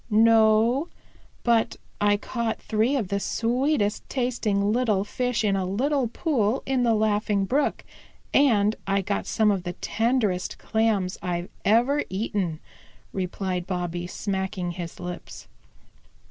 "No, but I caught three of the sweetest tasting little fish in a little pool in the Laughing Brook, and I got some of the tenderest Clams I've ever eaten," replied Bobby, smacking his lips.